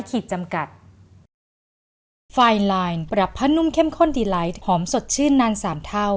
ผ้านุ่มเข้มข้นดีไลท์หอมสดชื่นนานสามเท่า